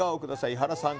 伊原さん